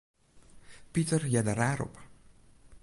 Piter hearde raar op.